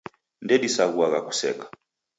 Ndedisaghuagha kuseka.